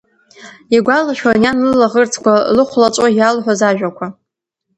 Игәалашәон иан лылаӷырӡқәа лыхәлаҵәо иалҳәоз ажәақәа…